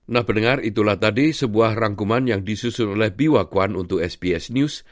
nah pendengar itulah tadi sebuah rangkuman yang disusun oleh biwakwan untuk sps news